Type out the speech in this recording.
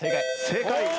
正解。